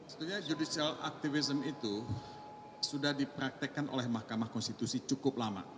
sebenarnya judicial activism itu sudah dipraktekkan oleh mahkamah konstitusi cukup lama